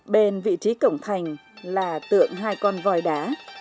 bên vị trí cổng thành là tượng hai con voi đá